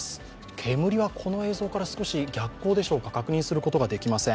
煙はこの映像から少し逆光でしょうか、確認することができません。